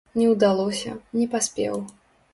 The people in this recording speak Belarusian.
Не ўдалося, не паспеў.